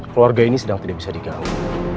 keluarga ini sedang tidak bisa digaung